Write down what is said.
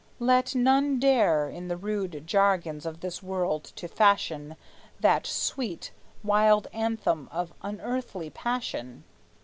Let none dare In the rude jargons of this world to fashion That sweet, wild anthem of unearthly passion.